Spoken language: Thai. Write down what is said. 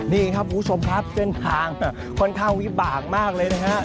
นี่ครับคุณผู้ชมครับเส้นทางค่อนข้างวิบากมากเลยนะฮะ